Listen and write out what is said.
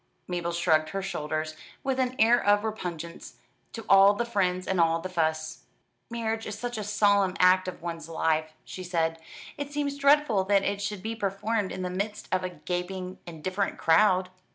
Mabel shrugged her shoulders, with an air of repugnance to all the friends and all the fuss. "Marriage is such a solemn act of one's life," she said. "It seems dreadful that it should be performed in the midst of a gaping, indifferent crowd."